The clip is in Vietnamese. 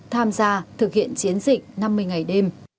tham gia thực hiện chiến dịch năm mươi ngày đêm